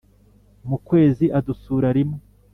Mu kwezi adusura rimwe.